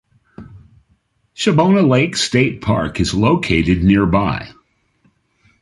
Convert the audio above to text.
Shabbona Lake State Park is located nearby.